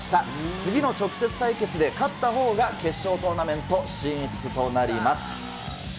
次の直接対決で勝ったほうが決勝トーナメント進出となります。